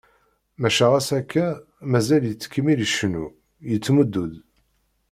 Maca ɣas akka, mazal yettkemmil icennu, yettmuddu-d.